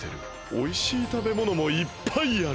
おいしいたべものもいっぱいある。